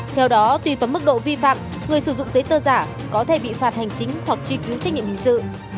theo đó tùy vào mức độ vi phạm người sử dụng giấy tờ giả có thể bị phạt hành chính hoặc truy cứu trách nhiệm hình sự